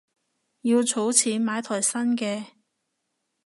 要儲錢買台新嘅